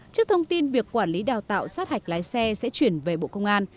trước thông tin việc quản lý đào tạo sát hạch lái xe sẽ chuyển về bộ công an